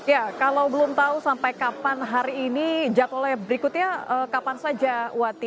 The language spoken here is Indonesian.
ya kalau belum tahu sampai kapan hari ini jadwalnya berikutnya kapan saja wati